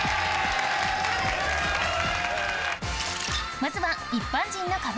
まずは一般人の壁